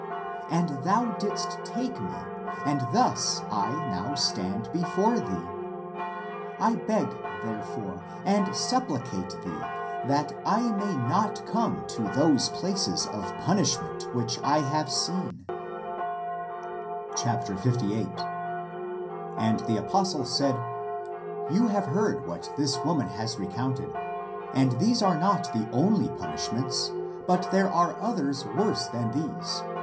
And thou didst take me, and thus I now stand be fore thee. I beg, therefore, and supplicate thee that I may not come to those places of punishment which I have seen." 58. And the apostle said, " You have heard what this woman has recounted. And these are not the only punishments, but there are others worse than these.